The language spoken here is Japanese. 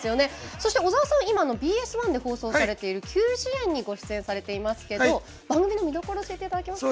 そして小沢さん、今のＢＳ１で放送されている、「球辞苑」にご出演されていますが番組の見どころ教えていただけますか。